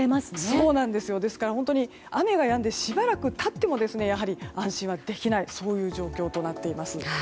ですから、本当に雨がやんでしばらく経っても安心はできない状況となっています。